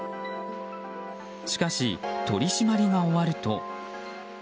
しかし、取り締まりが終わると。